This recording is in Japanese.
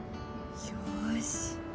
よし。